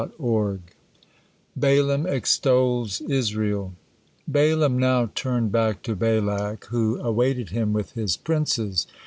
BALAAM EXTOLS ISRAEL Balaam now turned back to Balak, who awaited him with his princes.